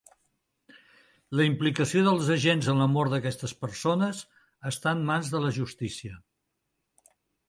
La implicació dels agents en la mort d'aquestes persones està en mans de la justícia.